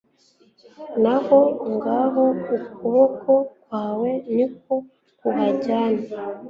n’aho ngaho ukuboko kwawe ni ko kuhanjyana